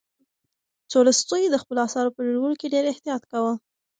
تولستوی د خپلو اثارو په جوړولو کې ډېر احتیاط کاوه.